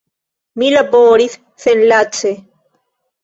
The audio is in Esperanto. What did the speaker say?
Mi laboris senlace.